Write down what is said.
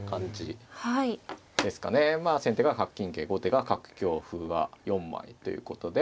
先手が角金桂後手が角香歩が４枚ということで。